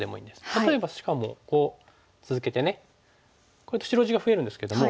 例えばしかもこう続けてね白地が増えるんですけども。